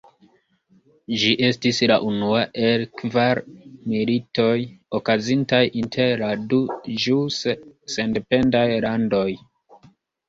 Ĝi estis la unua el kvar militoj okazintaj inter la du ĵuse sendependaj landoj.